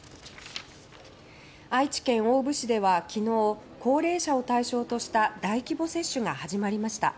愛知県大府市では昨日、高齢者を対象とした大規模接種が始まりました。